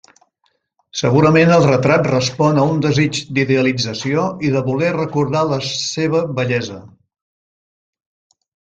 Segurament el retrat respon a un desig d'idealització i de voler recordar la seva bellesa.